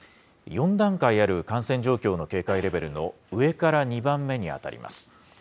４段階ある感染状況の警戒レベルの上から２番目に当たります。